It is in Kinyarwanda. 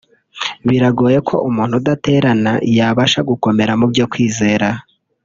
Biragoye ko umuntu udaterana yabasha gukomera mubyo kwizera